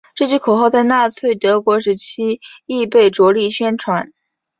这句口号在纳粹德国时期亦被着力宣传。